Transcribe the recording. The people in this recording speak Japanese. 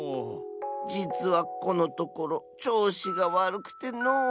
じつはこのところちょうしがわるくてのう。